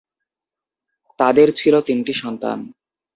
তাঁদের ছিল তিনটি সন্তান।